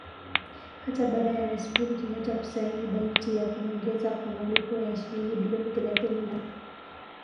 Hata baada ya Rais Uhuru Kenyatta kusaini bajeti ya nyongeza kwa malipo ya shilingi bilioni thelathini na nne za Kenya (dolla mia mbili tisini na nane milioni).